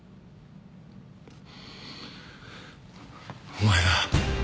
お前だ。